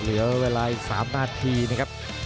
เหลือเวลาอีก๓นาทีนะครับ